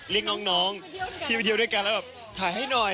เรียกน้องที่ไปเที่ยวด้วยกันแล้วแบบถ่ายให้หน่อย